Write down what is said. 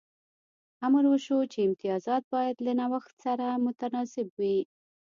امر وشو چې امتیازات باید له نوښت سره متناسب وي